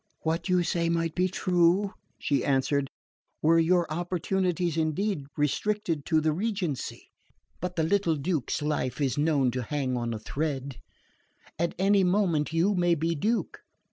"What you say might be true," she answered, "were your opportunities indeed restricted to the regency. But the little prince's life is known to hang on a thread: at any moment you may be Duke.